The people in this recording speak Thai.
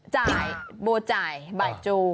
จ่ายโบจ่ายบ่ายจู